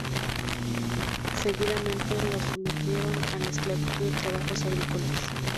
Seguidamente los sometieron a la esclavitud de trabajos agrícolas.